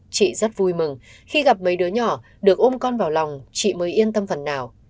chị rất vui mừng khi gặp mấy đứa nhỏ được ôm con vào lòng chị mới yên tâm phần nào